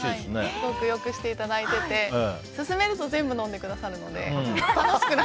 すごく良くしていただいてて勧めると全部飲んでくださるので。